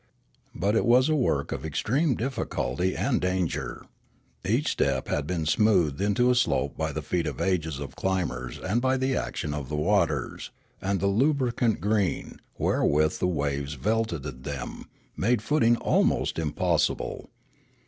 But it was a work of extreme difficulty and danger. Each step had been smoothed into a slope by the feet of ages of climbers and by the action of the waters ; and the lubricant green, wherewith the waves velveted them, made footing almost impossible.